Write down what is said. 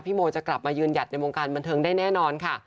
โมจะกลับมายืนหยัดในวงการบันเทิงได้แน่นอนค่ะ